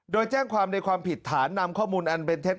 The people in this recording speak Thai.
โดยแจ้งความในความผิดฐานนำข้อมูลอันเป็นเท็จ